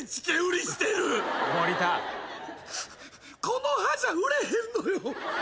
この歯じゃ売れへんのよ。